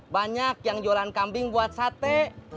banyak yang jualan kambing buat sate